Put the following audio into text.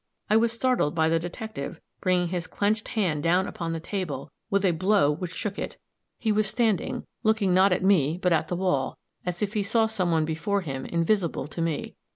I was startled by the detective bringing his clenched hand down upon the table with a blow which shook it; he was standing, looking not at me, but at the wall, as if he saw some one before him, invisible to me.